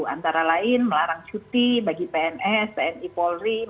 antara lain melarang cuti bagi pns tni polri